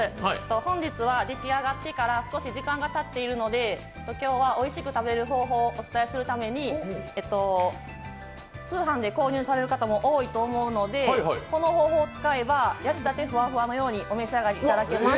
本日は出来上がってから少し時間がたっているので今日はおいしく食べる方法をお伝えするために、通販で購入される方も多いと思うので、この方法を使えば焼き立てふわふわのようにお召し上がりいただけます。